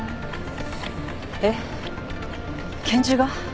えっ拳銃が！？